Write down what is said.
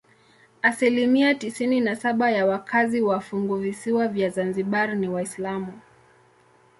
Asilimia tisini na saba ya wakazi wa funguvisiwa vya Zanzibar ni Waislamu.